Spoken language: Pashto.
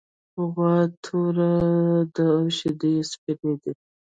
غوا توره ده او شیدې یې سپینې دي.